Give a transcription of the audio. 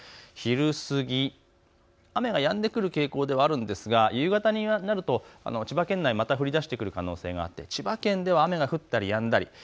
昼過ぎ、雨はやんでくる傾向ではあるんですが夕方になると千葉県内また降りだしてくる可能性があって、千葉県では雨が降ったりやんだり。